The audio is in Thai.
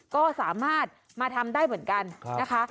ก็สามารถมาทำได้เหมือนกันนะคะ